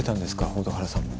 蛍原さんも。